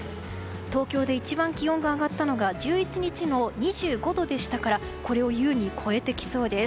東京で一番気温が上がったのが２１日の２５度でしたからこれを優に超えてきそうです。